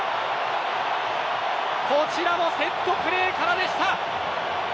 こちらもセットプレーからでした。